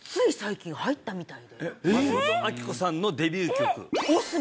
松本明子さんのデビュー曲？